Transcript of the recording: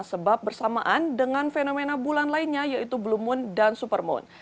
sebab bersamaan dengan fenomena bulan lainnya yaitu blue moon dan supermoon